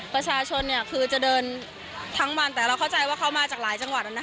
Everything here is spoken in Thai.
ประชาชนเนี่ยคือจะเดินทั้งวันแต่เราเข้าใจว่าเขามาจากหลายจังหวัด